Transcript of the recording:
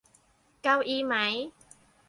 เก้าอี้มั๊ย